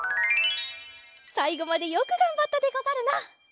さいごまでよくがんばったでござるな。